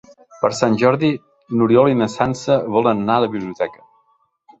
Per Sant Jordi n'Oriol i na Sança volen anar a la biblioteca.